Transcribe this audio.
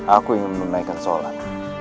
aku ingin menunaikan sholat